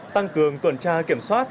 tăng cường tuần tra kiểm soát